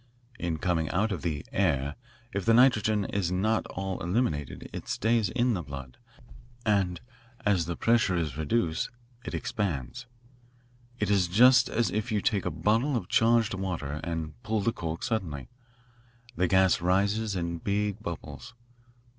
In coming out of the 'air' if the nitrogen is not all eliminated, it stays in the blood and, as the pressure is reduced, it expands. It is just as if you take a bottle of charged water and pull the cork suddenly. The gas rises in big bubbles.